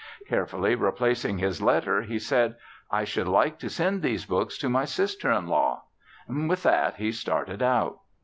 Carefully replacing his letter, he said: "I should like to send these books to my sister in law." With that he started out.